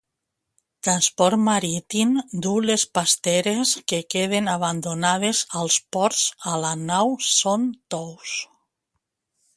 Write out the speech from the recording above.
Transport Marítim duu les pasteres que queden abandonades als ports a la nau SonTous